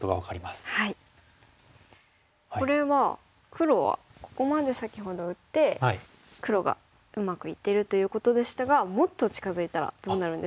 これは黒はここまで先ほど打って黒がうまくいってるということでしたがもっと近づいたらどうなるんでしょうか？